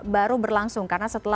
baru berlangsung karena setelah